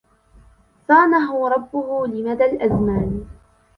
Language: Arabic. صانه ربه لمدى الأزمان